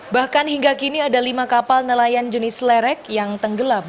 bahkan hingga kini ada lima kapal nelayan jenis lerek yang tenggelam